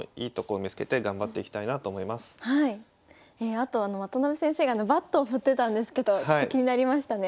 あと渡辺先生がバットを振ってたんですけどちょっと気になりましたね。